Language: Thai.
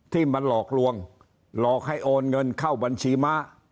ที่มันหลอกลวงหลอกให้โอนเงินเข้าบัญชีม้า